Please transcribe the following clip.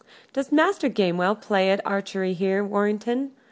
"Does Master Gamewell play at archery here, Warrenton?"